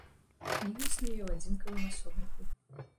Кніга існуе ў адзінкавым асобніку.